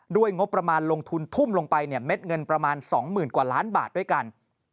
งบประมาณลงทุนทุ่มลงไปเนี่ยเม็ดเงินประมาณ๒๐๐๐กว่าล้านบาทด้วยกัน